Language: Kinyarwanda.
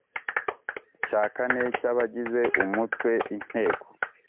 cya kane cy abagize Umutwe w Inteko